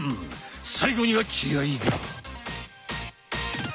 最後には気合いだ！